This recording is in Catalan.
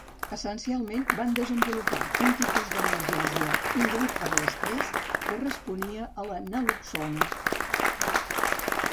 Essencialment, van desenvolupar un tipus d'analgèsia induït per estrès que responia a la naloxona.